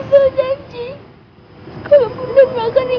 orang yang tadi siang dimakamin